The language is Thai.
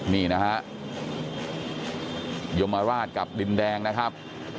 นี่นะฮะยมราชกับดินแดงนะครับ